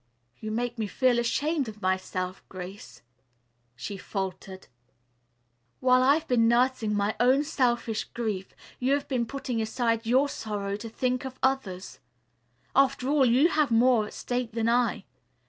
"You make me feel ashamed of myself, Grace," she faltered. "While I've been nursing my own selfish grief you have been putting aside your sorrow to think of others. After all, you have more at stake than I.